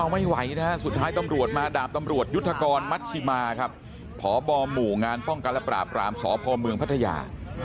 ไม่ไหวนะฮะสุดท้ายตำรวจมาดาบตำรวจยุทธกรมัชชิมาครับพบหมู่งานป้องกันและปราบรามสพเมืองพัทยา